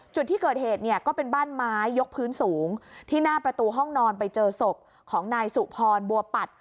จุดที่เกิดเหตุเนี่ยก็เป็นบ้านไม้ยกพื้นสูงที่หน้าประตูห้องนอนไปเจอศพของนายสุพรบัวปัด